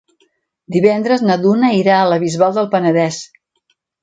Divendres na Duna irà a la Bisbal del Penedès.